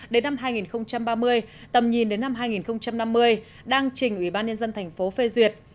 đến năm hai nghìn ba mươi tầm nhìn đến năm hai nghìn năm mươi đang trình ủy ban nhân dân thành phố phê duyệt